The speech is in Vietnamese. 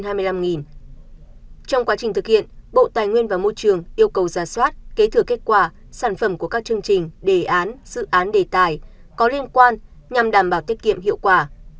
trong quá trình thực hiện bộ tài nguyên và môi trường yêu cầu giả soát kế thừa kết quả sản phẩm của các chương trình đề án dự án đề tài có liên quan nhằm đảm bảo tiết kiệm hiệu quả